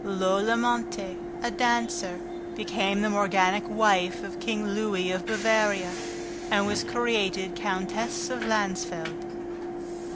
Lola Montes, a dancer, became the morganatic wife of King Louis of Bavaria and was created Countess of Landsfeld.